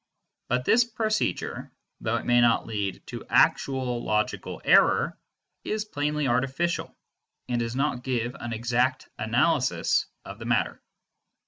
But this procedure, though it may not lead to actual logical error, is plainly artificial, and does not give an exact analysis of the matter.